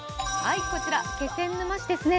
こちら気仙沼市ですね。